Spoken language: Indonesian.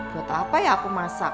buat apa ya aku masak